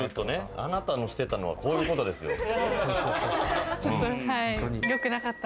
あなたのしてたのは、こういうことですよ。